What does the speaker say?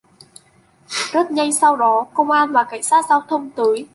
Rất nhanh sau đó công an và cảnh sát giao thông tới